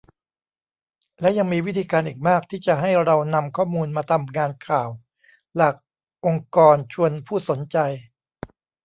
และยังมีวิธีการอีกมากที่จะให้เรานำข้อมูลมาทำงานข่าว หลากองค์กรชวนผู้สนใจ